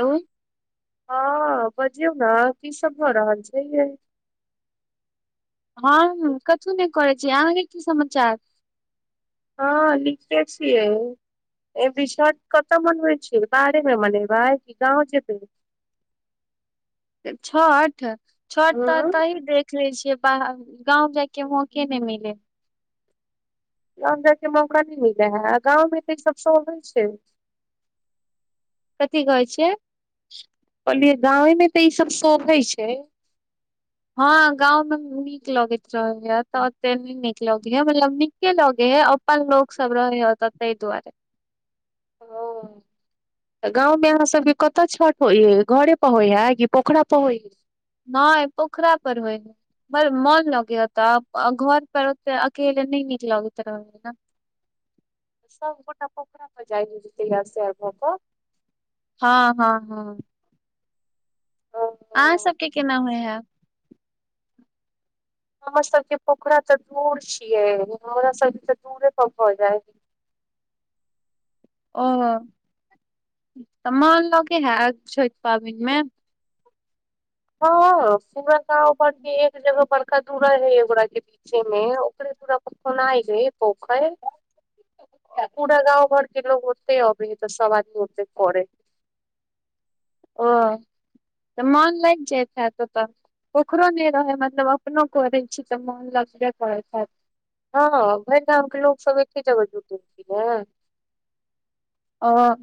लोऽ हँ बजियौ ने की सब भऽ रहल छै फेर हँ कछहु नहि करै छी अहाँके की समाचार हँ निके छियै ए भी शर्ट कतऽ मनबै छियै बाहरे मे मनेबै कि गाँव जेबै। छठ। छट तट हँ तऽ ही देख ले छियै हँ गाँव जायके मौक नहि मिले। गांव जायके मौका नहि मिलै हे गाँवमे तऽ ई सब शो छै की कहै छीयै। कहललियै गावेमे तऽ ईसभ शोइ छै। हँ गाँवमे नीक लगैत रहैए तऽ ओतेक नहि नीक लगैए मतलब नीके लगैए अपन लोकसभ रहैए तऽ ताहि दुआरे। ओ गांव मे अहाँ सब के कतऽ छठ घरे पर होय से पोखरा प होैय नहि पोखरा पर होइ मन लगैये ओतय घर पर ओते अकेले नहि नीक लगैत रहल ने सब गोटा पोखरे में जाइ ज से भ क हँ हँ हँ ओ अहाँ सबके केना होइ है [unintelligible] हमर सभके पोखरा तऽ दूर छियै हमरा सभके तऽ दूरे प भरि जाइ ओ त मान लोगै है छठ पाबनिमे। हँ पूरा गाँव पर के एक जगह बड़का दूरा हे एकगोरा के पीछे मे ओकरे पूरा पखो रहे पोखरि ओ पूरा गाँव घर ककरो ओते अबैये की सवा किलो के परे ओ तऽ मोन लागि जाइत ह ओतय ओकरो नहि रहै मतलब अपनो करैत छी तऽ मोन लगबे करैत हत हँ भरि गामके लोकसभ एके जगह जुटेलखिन हे हँ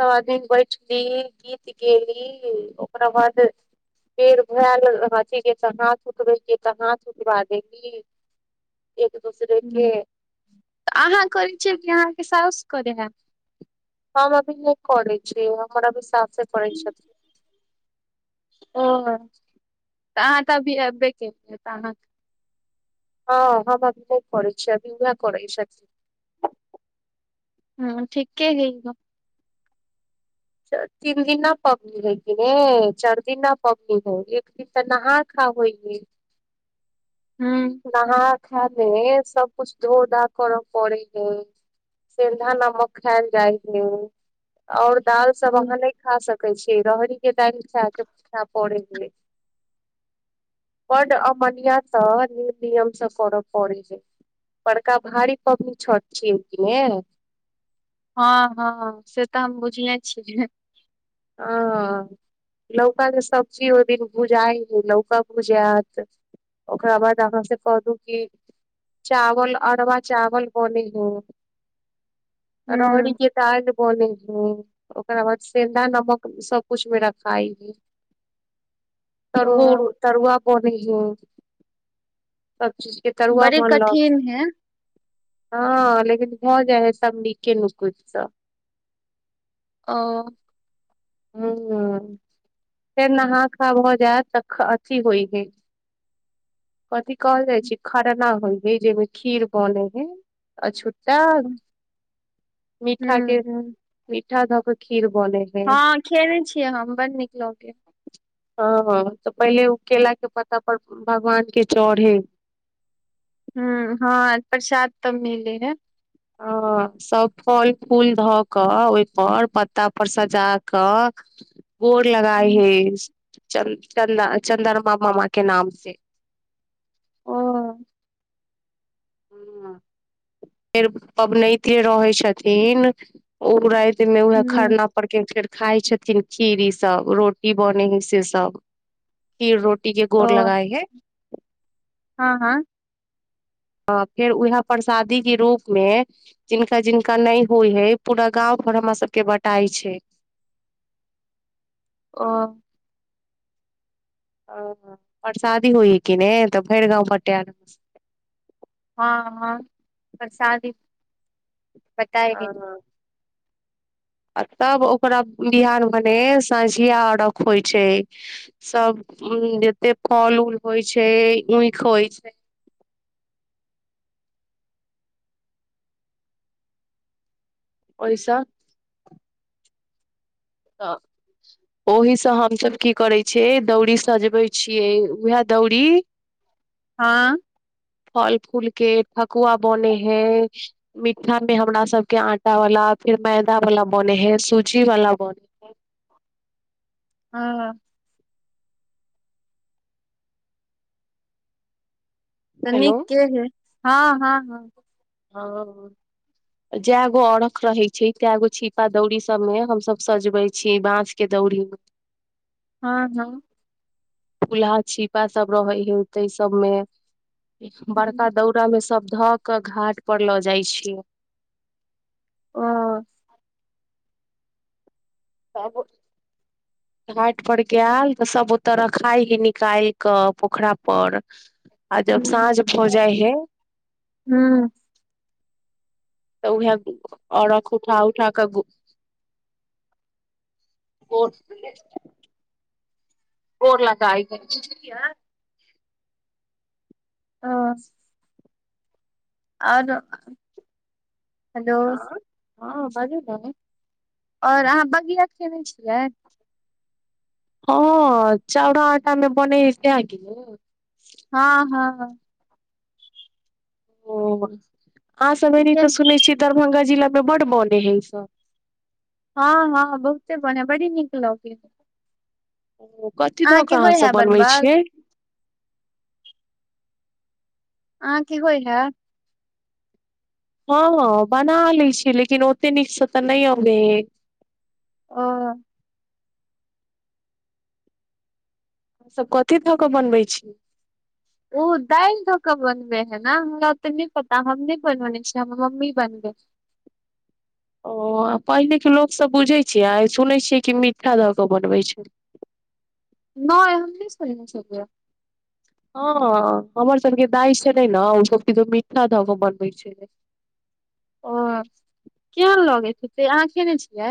सभ आदमी बैठली गीत गयली ओकरा बाद पेड़ भेयल अथीके तऽ हाथ उठबैके तऽ हाथ उठवा देली एक दूसरे ह के तऽ अहाँ करै छियै कि अहाँके साउस करै है हम अभी नइ करै छियै हमर अभी साउसे करै छथिन ओ तऽ अहाँ तऽ अभी अबे केलिय तऽ अहाँ ह हम अभी नहि करै छियै अभी उहे करै छैथ हँ ठीके है त तीन दिना पबनी हैेक ह चारि दिना पबनी है एक दिन तऽ नहा खा होइ ह हूँ नहाँ खा मे सबकुछ धो धा करऽ पड़े है सेन्धा नमक खायल जाइ है आओर दाल सब हूँ। अहाँ नहि खा सक छ रहरी के दालि खेय पड़े हे बड अमन्य त नियम से करऽ पड़े हे बड़का भारी पबनी छठ छियै कि ने हँ हँ से तऽ हम बुझिनेए छियै हँ लौकाके सबजी ओहि दिन भुजाइ हइ लौका भुजायत ओकरा बाद अहाँसँ कह दू कि चावल अरवा चावल बनै हय। रहड़ी हूँ के दाइल बनै। ह ओकरा बाद सेंधा नम क सबकुछ मे रखाइ तरुआ ओ तरुआ बनै हे बड़ी कठिन है हँ लेकिन भऽ जाइ है सब नीक के नुकदसँ ओ ह फेर नहा खा भ जायत तऽ अथि होइ हय कथी कहल जाइ छै खरना होइ हय जाहिमे खीर बनै हय त हूँ मीठा के हूँ उठा ध क खीर बनै है हँ खेने छियै हम बड़ नीक लगै य हँ तऽ पहिले ओ केलाके पत्ता पर भगवानके चढ़े ह हँ प्रसाद तऽ मिले हे ह सभ फल फूल धऽ कऽ ओहिपर पत्ता पर सजा कऽ गोर लगाए हूँ। हैं च चन्दा चन्द्रमा मामा के नाम से ओ फेर पबनैत रहै छथिन उ वएह हूँ खरना पड़के के फेर खााय छथिन खीर ई सब रोटी बने है से सब खीर रोटी इ के ओ गोर लगाए है हँ हँ हँ फेर उएह परसादीे रूपमे जिनका जिनका नहि होइ हइ पूरा गाँव घर हमरा सभके बँटाइ छै ओ ह परसादी होइ ह कि ने तऽ भेर गाँव बटायत हँ हँ प्रसादी बताएके हँ आ तब ओकरा बिहान भने सझिया अरघ होइ छै सब जेतेक फल ऊल होइ छै ऊइख होइ छै ओइस तऽ ओहीसँ हमसभ की करै छियै दौरी सजबै छियै उएह दौरी हँ फल फूल के ठकुआ बने है मिठा में हमरा सबके आटा वाला फेर मैदा वाला बने है सुूजी वाला बने हय ब हँ त हेलो नीके हे हँ हँ हँ हँ जए गो अर्ख रहै छै तए गो छीपा दौरी सबमे हमसभ सजबै छीयै बाँस के दौरी हँ हँ वहै छिपा सभ रहै हय तै सबमे हूँ बड़का दौड़ मे सब धऽ कऽ घाट पर लऽ जाइ छी ओ त घाट पर गेयल त सब ओतऽ रखाइ ही निकाय के पोखरा पर आ जब हूँ साँझ भऽ जाइ है हूँ तऽ उएह औरख उठा उठा कऽ गोर लगाइ कर हँ आरो हेलो आँ हँ बाजू ने आओर अहाँ बगिया खयने छियै हँ चउड़ऽ आटा मे बनै हँ हँ हँ ओ आ समनी त सुनै छी दरभङंगा जिला बड्ड बने है हँ हँ बहुते बन बड़ी नीक लगी ओ कथी धऽ कऽ अहाँसभ बनबै बनबल छियै अहाँ के होइ है हँ हँ बना लै छी लेकिन ओते नीकसँ तऽ नहि अबै ह ओ सभ कथी धऽ कऽ बनबै छी ओ दालि धऽ कऽ बनबे है ने हमरा ओते नहि पता हम नहि बनवने छ हमर मम्मी बनबे ओ आ पहिनेेके लोकसभ बुझैत छैियै आ सुनै छियै कि मी्ठा धऽ कऽ बनबै छै न हम नहि सुनै छियै हँ हमर सब के दाइ छै ने ने ओ सब कि मीठा धऽ कऽ बनबै छै ओ केहेन लगै हेतै अहाँ खेयने छियै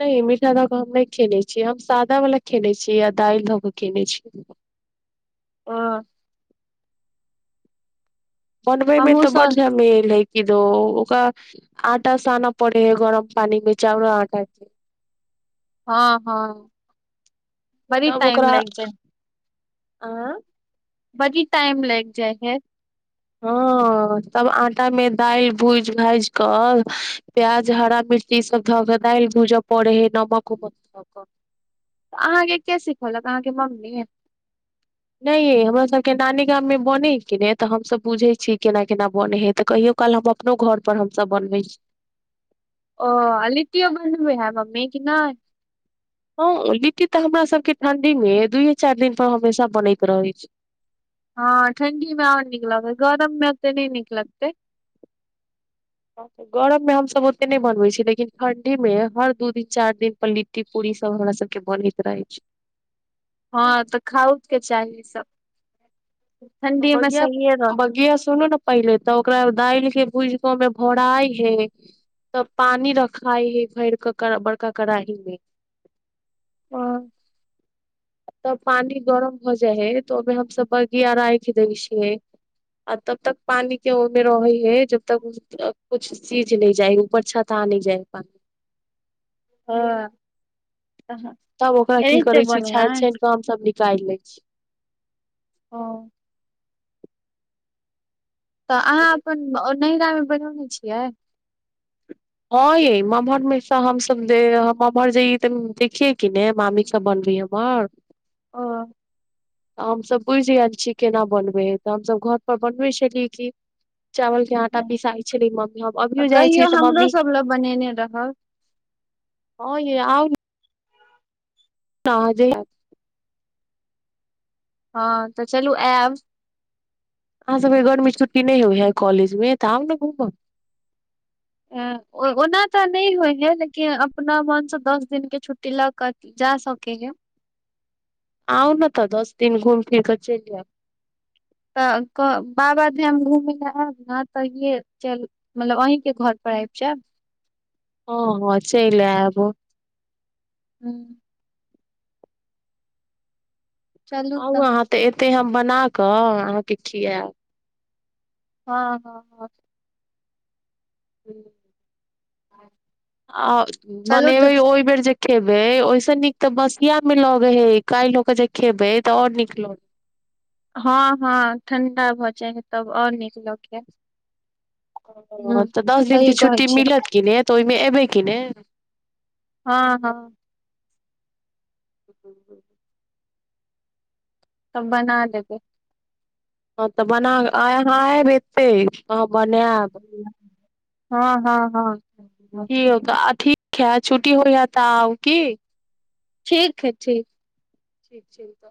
नहि मीठा धऽ कऽ हम नहि खेने छी हम सादावला खेने छी या दालि धऽ कऽ खेने छी ओ बनबे में हमहुँ तऽ बड सब झमेल है कि तो ओकरा आटा सानऽ पड़े हे गरम पानि मे चावल आटा के हँ हँ बड़ी टाइम लाइग जा आँ बड़ी टाइम लागि जाइ है हँ तब आटामे दालि भूजि भाजि कऽ प्याज हरा मिर्ची ईसभ धऽ कऽ दालि भूजय पड़े हइ नमक उमक धऽ कऽ तऽ अहाँके के सिखौलक अहाँके मम्मी नहि यइ हमर सभके नानी गाममे बने हय कि नहि तऽ हमसभ बुझै छी केना केना बनै हइ तऽ कहियो काल हम अपनो घरपर हमसभ बनबै छी ओ अ लिट्टीयो बनबे हैं मम्मी कि नहि हँ लिट्टी तऽ हमरा सभके ठण्ढीमे दुूए चारि दिनपर हमेशा बनैत रहैत छै हँ ठण्ढीमे आओर नीक लगतै गरममे ओत्ते नहि नीक लगतै गरममे हमसभ ओत्ते नहि बनबै छी लेकिन ठण्ढीमे हर दू दिन चारि दिन पर लिट्टी पूरीसभ हमरा सभके बनैत रहै छै हँ तऽ खाउके चाही सब त ठंडी मे बगिआ सहिए रह बगिआ सुनू ने पहिले तऽ ओकरा दालिके भुज कऽ मे भराइ है तब पानी रखाय है भर कऽ बड़का कड़ाही मे हँ तब पानि गरम भ जाइ है तऽ ओहिमे हमसब बगिया राखि दै छियै आ तब तक पानी के ओहिमे रहै है जब तक कुछ सीझ नहि जाए ऊपर छत पानी जाय प हँ तब ओकरा की करै छी छानि छानि कऽ हमसभ निकालि लै छी ओ तऽ अहाँ अपन नहिरा में बनने छियै हँ य ममहरमे हमसभ जे ममहर जइ तऽ देखियै कि ने मामीसभ बनबै हमर ओ तऽ हमसभ बुझि गेल छी केना बनबै तऽ हमसभ घरपर बनबै छलियै कि चावल के आटा पिसाइत छलै मम्मी हम अभियो जाइ छी तऽ मम्मी ल बनेने रहब हँ त अहाँ जे य हँ तऽ चलू आयब अहाँ सबके गर्मी छुट्टी नहि होइ है कॉलेज मे तऽ आउ ने घूमब ओना तऽ नहि होइ हए लेकिन अपना मोनसँ दस दिनके छुट्टी लऽ कऽ जा सकैए आउ ने तऽ दस दिन घूम फिर कऽ चलि जायब तऽ बाबाधाम घूमय लेलए आयब ने तऽए चल मतलब अहीँके घरपर आबि जायब हँ हँ चलि आयब हू चलू आउ तऽ अहाँ त ते हम बनााकऽ अहाँके खियाब हँ हँ ह ह् ह आ बनेबै ओहि बेर जे खेबै ओहिसँ नीक तऽ बसियामे लगे हय काल्हि ल के जे खेबै तऽ आओर नीक लगै हँ हँ ठण्डा भऽ जाइ हइ तब आओर नीक लगय ओ तऽ दस दिन के छुट्टी छै मिलत कि ने तहिमे एबै की ने हँ हँ ह तब बना देबे हँ तऽ बना आय अहाँ आयब एत्ते हाँ बनायब हँ हँ [unintelligible] हँ की यौ त अथि खे छुटी होयै त आओ की ठीक है ठीक ठीक छै तऽ